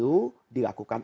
itu tidak perlu dilakukan